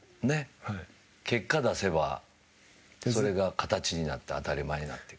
結果を出せばそれが形になって当たり前になって。